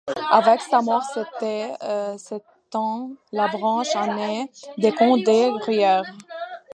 Avec sa mort s'éteint la branche ainée des comtes de Gruyère.